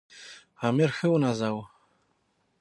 امیر ښه ونازاوه.